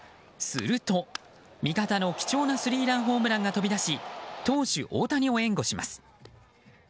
すると、味方の貴重なスリーランホームランが飛び出し投手・大谷を援護します。